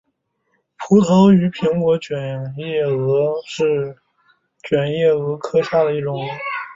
葡萄与苹果卷叶蛾是卷叶蛾科下的一种蛾。